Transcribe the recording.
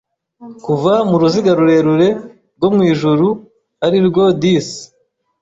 Kuva muruziga rurerure rwo mwijuru arirwo Dis